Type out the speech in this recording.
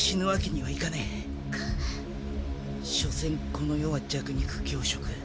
しょせんこの世は弱肉強食。